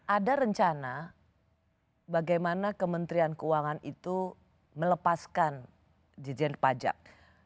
ada rencana bagaimana kementerian keuangan itu melepaskan dirijen pajak